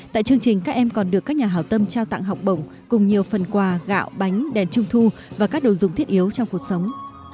tại chương trình các em còn được các nhà hảo tâm trao tặng học bổng cùng nhiều phần quà gạo bánh đèn trung thu và các đồ dùng thiết yếu trong cuộc sống